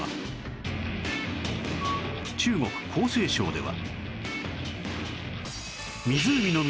中国江西省では